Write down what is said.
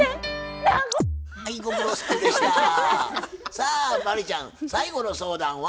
さあ真理ちゃん最後の相談は？